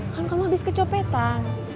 kan kamu habis ke copetan